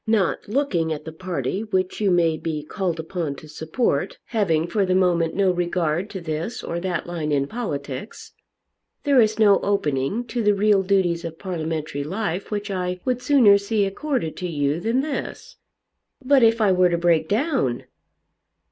Not looking at the party which you may be called upon to support, having for the moment no regard to this or that line in politics, there is no opening to the real duties of parliamentary life which I would sooner see accorded to you than this." "But if I were to break down?"